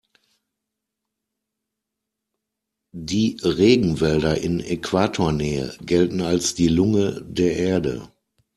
Die Regenwälder in Äquatornähe gelten als die Lunge der Erde.